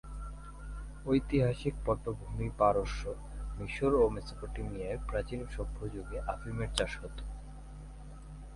ঐতিহাসিক পটভূমি পারস্য, মিশর ও মেসোপটেমিয়ায় প্রাচীন সভ্যযুগে আফিমের চাষ হতো।